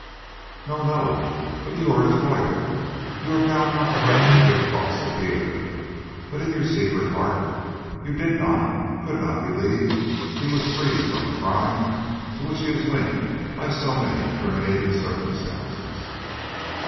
"No, no; but you are his lawyer; you are bound not to let your real thoughts appear. But in your secret heart you did not, could not, believe he was free from a crime to which he is linked by so many criminating circumstances?"